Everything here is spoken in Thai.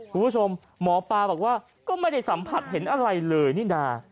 คุณผู้ชมหมอปลาบอกว่าก็ไม่ได้สัมผัสเห็นอะไรเลยนี่นา